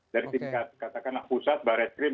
dari tingkat katakanlah pusat baris krim